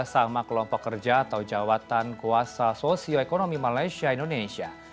sama kelompok kerja atau jawatan kuasa sosioekonomi malaysia indonesia